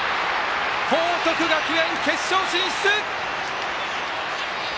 報徳学園、決勝進出！